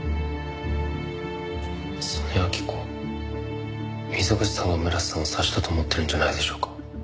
曽根明子溝口さんが村瀬さんを刺したと思ってるんじゃないでしょうか？